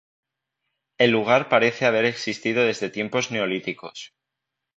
El lugar parece haber existido desde tiempos neolíticos.